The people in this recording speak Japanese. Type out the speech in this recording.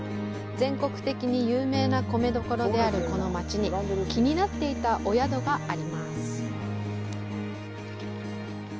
全国的に有名な米どころであるこの町に気になっていたお宿があります。